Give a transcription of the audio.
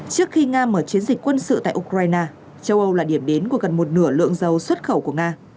trước khi nga mở chiến dịch quân sự tại ukraine châu âu là điểm đến của gần một nửa lượng dầu xuất khẩu của nga